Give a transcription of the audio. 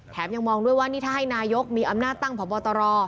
ยังมองด้วยว่านี่ถ้าให้นายกมีอำนาจตั้งพบตร